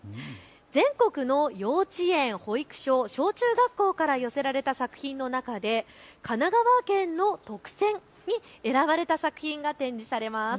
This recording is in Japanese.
全国の幼稚園、保育所、小中学校から寄せられた作品の中で神奈川県の特選に選ばれた作品が展示されます。